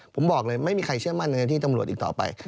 ผมบอกเลยไม่มีใครเชื่อมั่นในหน้าที่ตำรวจอีกต่อไป